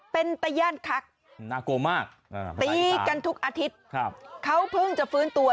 เป็นตะแย่นคักตีกันทุกอาทิตย์เขาเพิ่งจะฟื้นตัว